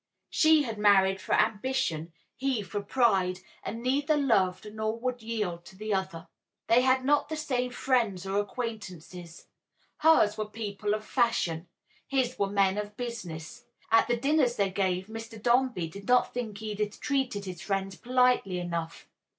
She had married for ambition, he for pride, and neither loved nor would yield to the other. They had not the same friends or acquaintances. Hers were people of fashion; his were men of business. At the dinners they gave, Mr. Dombey did not think Edith treated his friends politely enough.